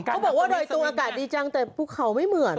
บอกว่ารอยตัวอากาศดีจังแต่ภูเขาไม่เหมือน